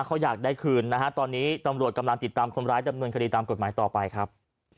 เขาอยากได้คืนนะฮะตอนนี้ตำรวจกำลังติดตามคนร้ายดำเนินคดีตามกฎหมายต่อไปครับ